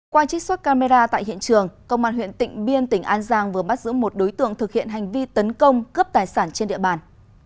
qua trích xuất camera tại hiện trường công an huyện tịnh biên tỉnh an giang vừa bắt giữ một đối tượng thực hiện hành vi tấn công cướp tài sản trên địa bàn